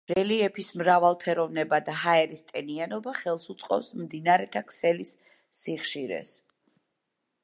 რელიეფის მრავალფეროვნება და ჰაერის ტენიანობა ხელს უწყობს მდინარეთა ქსელის სიხშირეს.